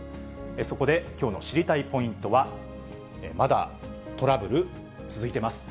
そこできょうの知りたいポイントは、まだトラブル続いてます。